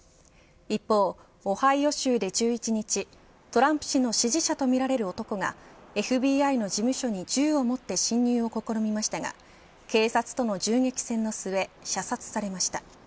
一方、オハイオ州で１１日トランプ氏の支持者とみられる男がＦＢＩの事務所に銃を持って侵入を試みましたが警察との銃撃戦の末射殺されました。